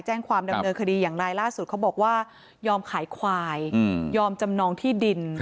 แจ้งความดำเนินคดีอย่างไรล่าสุดเขาบอกว่ายอมขายควายยอมจำนองที่ดิน